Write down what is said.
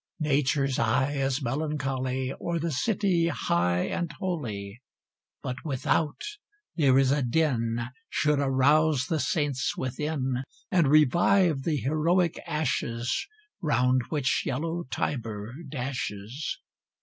Nature's eye is melancholy O'er the city high and holy; But without there is a din Should arouse the saints within, And revive the heroic ashes Round which yellow Tiber dashes.